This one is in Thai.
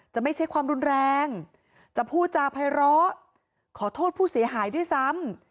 ไม่ใช่ความรุนแรงจะพูดจาภัยร้อขอโทษผู้เสียหายด้วยซ้ำ